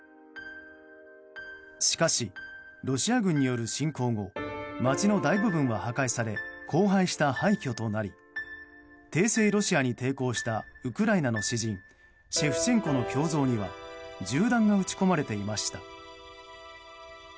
しかし、ロシア軍による侵攻後街の大部分は破壊され荒廃した廃虚となり帝政ロシアに抵抗したウクライナの詩人シェフチェンコの胸像には銃弾が撃ち込まれていました。